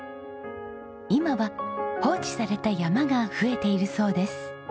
今は放置された山が増えているそうです。